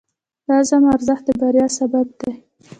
د عزم ارزښت د بریا سبب دی.